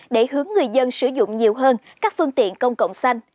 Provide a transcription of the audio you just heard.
để hướng người dân sử dụng nhiều hơn các phương tiện công cộng xanh